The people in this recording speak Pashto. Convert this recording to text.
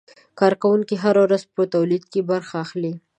کارکوونکي هره ورځ په تولید کې برخه اخلي.